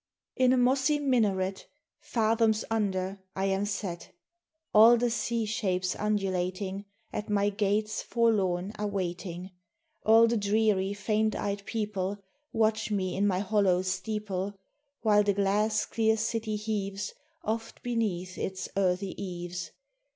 In a mossy minaret Fathoms under, I am set. All the sea shapes undulating At my gates forlorn are waiting, All the dreary faint eyed people Watch me in my hollow steeple, While the glass clear city heaves Oft beneath its earthy eaves.